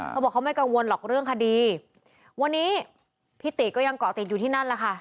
เขาบอกเขาไม่กังวลหรอกเรื่องคดีวันนี้พี่ติก็ยังเกาะติดอยู่ที่นั่นแหละค่ะ